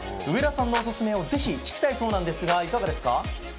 上田さんのオススメをぜひ聞きたいそうなんですがいかがですか？